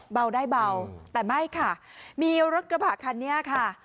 เบาได้เบาแต่ไม่ค่ะมีรถกระบะคันนี้ค่ะ